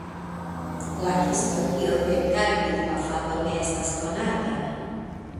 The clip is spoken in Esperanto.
La historio de karbidpafado ne estas konata.